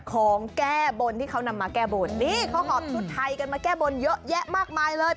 ของแก้บนที่เขานำมาแก้บนนี่เขาหอบชุดไทยกันมาแก้บนเยอะแยะมากมายเลย